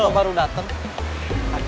saya ke parkir satu lagi